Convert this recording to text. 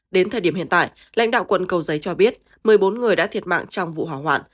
đến thời điểm hiện tại lãnh đạo quận cầu giấy cho biết một mươi bốn người đã thiệt mạng trong vụ hỏa hoạn